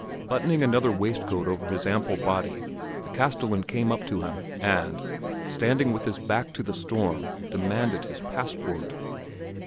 Buttoning another waistcoat over his ample body, the castellan came up to him and, standing with his back to the storm, demanded his passport.